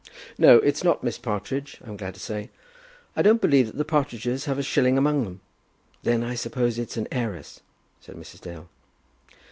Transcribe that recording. "No; it's not Miss Partridge, I'm glad to say. I don't believe that the Partridges have a shilling among them." "Then I suppose it's an heiress?" said Mrs. Dale.